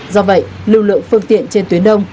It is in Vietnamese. do vậy lực lượng phương tiện trên tuyến đông